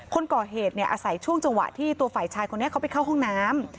คนก่อเหตุอาศัยช่วงจังหวะที่ตัวฝ่ายชายคนนี้เขาไปเข้าห้องน้ำ